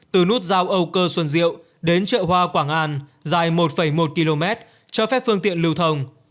từ nút giao âu cơ xuân diệu đến chợ hoa quảng an dài một một km cho phép phương tiện lưu thông